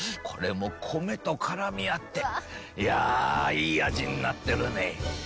これも米と絡み合っていやあいい味になってるね。